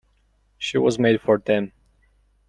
She was made for them.